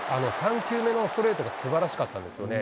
３球目のストレートがすばらしかったですよね。